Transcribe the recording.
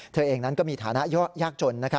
เธอเองนั้นก็มีฐานะยากจน